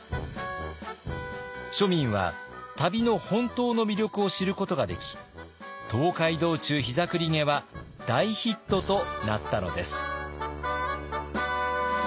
庶民は旅の本当の魅力を知ることができ「東海道中膝栗毛」は大ヒットとなったのです。